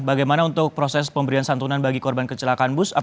bagaimana untuk proses pemberian santunan bagi korban kecelakaan bus